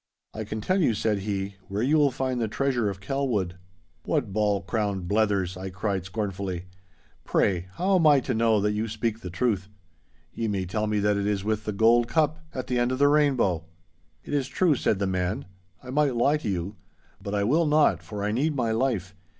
'I can tell you,' said he, 'where you will find the treasure of Kelwood!' 'What bald crowned blethers!' I cried scornfully. 'Pray, how am I to know that you speak the truth? Ye may tell me that it is with the gold cup, at the end of the rainbow!' 'It is true,' said the man, 'I might lie to you; but I will not, for I need my life.